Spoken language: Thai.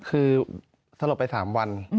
คือสลบไป๓วัน